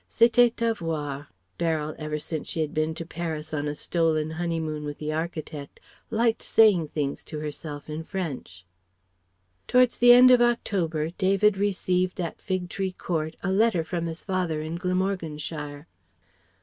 C'était à voir (Beryl ever since she had been to Paris on a stolen honeymoon with the architect liked saying things to herself in French). Towards the end of October, David received at Fig Tree Court a letter from his father in Glamorganshire.